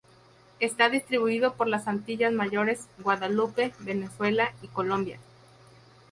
Está distribuido por las Antillas Mayores, Guadalupe, Venezuela y Colombia.